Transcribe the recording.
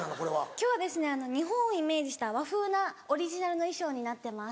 今日は日本をイメージした和風なオリジナルの衣装になってます。